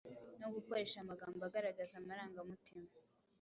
no gukoresha amagambo agaragaza amarangamutima,